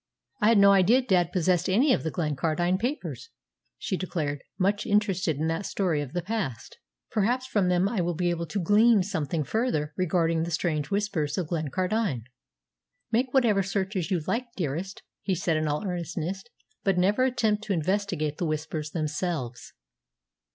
I had no idea dad possessed any of the Glencardine papers," she declared, much interested in that story of the past. "Perhaps from them I may be able to glean something further regarding the strange Whispers of Glencardine." "Make whatever searches you like, dearest," he said in all earnestness, "but never attempt to investigate the Whispers themselves."